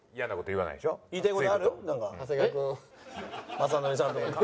雅紀さんとか。